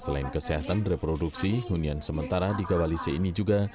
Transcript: selain kesehatan reproduksi hunian sementara di gawalisi ini juga